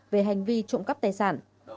về hành vi trộm cấp tài sản